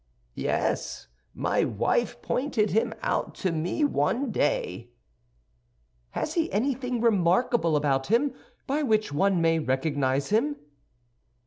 "Yes, my wife pointed him out to me one day." "Has he anything remarkable about him by which one may recognize him?"